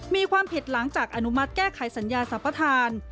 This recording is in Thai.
มีความผิดหลังจากอนุมัติแก้ไขสัญญาสรรพทาน